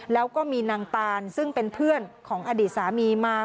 แล้วก็มีนางตานซึ่งเป็นเพื่อนของอดีตสามีมา